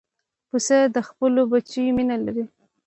پسه د خپلو بچیو مینه لري.